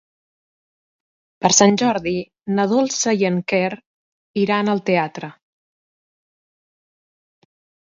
Per Sant Jordi na Dolça i en Quer iran al teatre.